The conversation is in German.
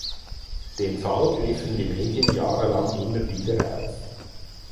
Den Fall griffen die Medien jahrelang immer wieder auf.